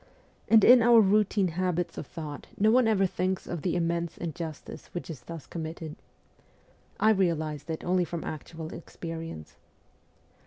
And in our routine habits of thought no one ever thinks of the immense injustice which is thus committed. I realized it only from actual experience.